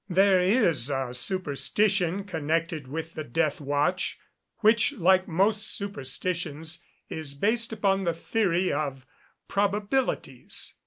There is a superstition connected with the death watch, which, like most superstitions, is based upon the theory of probabilities.